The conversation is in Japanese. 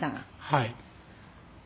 はい。